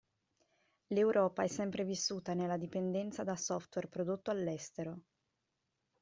L'Europa è sempre vissuta nella dipendenza da software prodotto all'estero.